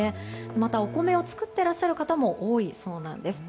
またお米を作っていらっしゃる方も多いそうなんです。